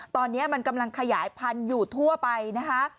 ตอนนี้มันกำลังขยายพันธุ์อยู่ทั่วไปนะคะ